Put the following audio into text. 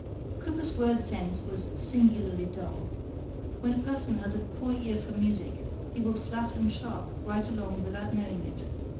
Cooper's word sense was singularly dull. When a person has a poor ear for music he will flat and sharp right along without knowing it.